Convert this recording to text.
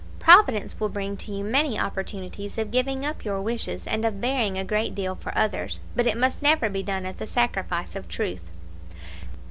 Providence will bring to you many opportunities of giving up your wishes, and of bearing a great deal for others, but it must never be done at the sacrifice of truth.'